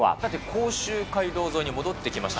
甲州街道沿いに戻ってきました。